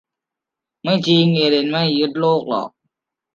ไม่จริง เอเลี่ยนไม่ยึดโลกหรอก